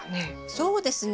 そうですね。